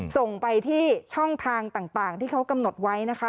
ส่งไปที่ช่องทางต่างที่เขากำหนดไว้นะคะ